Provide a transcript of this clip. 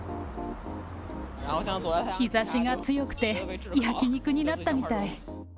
日ざしが強くて、焼き肉になったみたい。